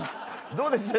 どうでした？